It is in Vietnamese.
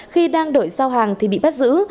khi đang đợi giao hàng thì bị bắt giữ